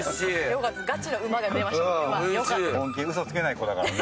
嘘つけない子だからね。